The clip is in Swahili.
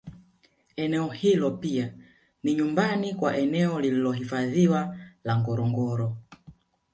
Eneo hilo pia ni nyumbani kwa eneo lililohifadhiwa la Ngorongoro